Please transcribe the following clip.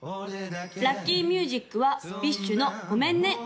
・ラッキーミュージックはＢｉＳＨの「ごめんね」